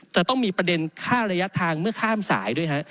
จะต้องมีประเด็นค่าระยะทางเมื่อข้ามสายด้วยฮะ